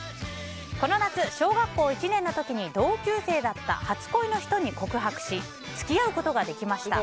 この夏、小学校１年の時に同級生だった初恋の人に告白し付き合うことができました。